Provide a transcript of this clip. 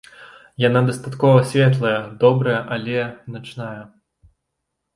Яна дастаткова светлая, добрая, але начная.